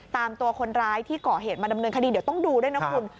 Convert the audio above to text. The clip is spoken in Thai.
ตามตัวคนร้ายที่ก่อเหตุมาดำเนินคดีเดี๋ยวต้องดูด้วยนะคุณ